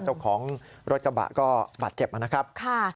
เจ้าของรถกระบะก็บาดเจ็บนะครับ